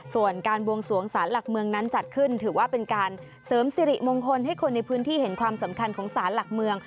ส่วนการบวงสวงสารหลักเมืองนั้นจัดขึ้นถือว่าเป็นการเสริมสิริมงคลให้คนในพื้นที่เห็นความสำคัญของสารหลักเมือง